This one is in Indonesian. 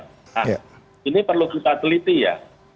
nah ini perlu kita teliti ya